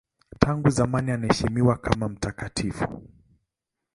Tangu zamani anaheshimiwa kama mtakatifu.